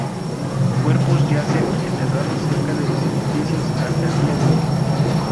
Cuerpos yacen enterrados cerca de los edificios hasta el día de hoy.